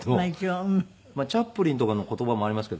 チャップリンとかの言葉もありますけど。